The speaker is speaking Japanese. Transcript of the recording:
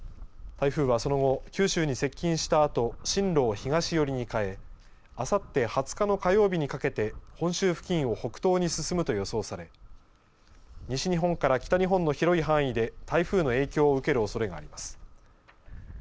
台風はその後九州に接近したあと進路を東寄りに変えあさって２０日の火曜日にかけて本州付近を北東に進むと予想され西日本から北日本の広い範囲で台風の影響を受けるおそれがあります。